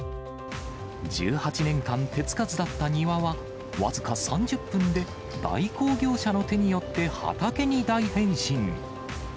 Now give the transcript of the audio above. １８年間手つかずだった庭は、僅か３０分で代行業者の手によって畑に大変身。